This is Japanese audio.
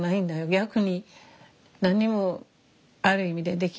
逆に何にもある意味でできないんだけど。